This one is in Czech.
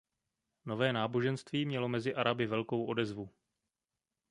Nové náboženství mělo mezi Araby velikou odezvu.